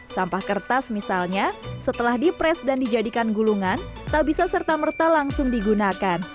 sampah kertas misalnya setelah di pres dan dijadikan gulungan tak bisa serta merta langsung digunakan